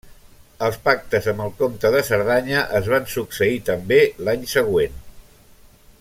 Els pactes amb el comte de Cerdanya es van succeir també l’any següent.